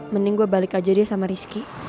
mending gue balik aja dia sama rizky